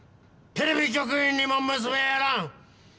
テレビ局員にも娘はやらん！